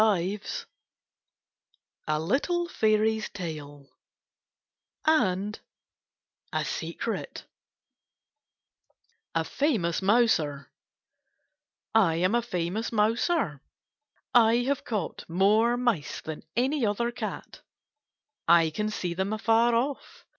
32 KITTENS AND CATS A FAMOUS MOUSER I am a famous mouser. I have caught more mice than any other cat. I can see them afar off.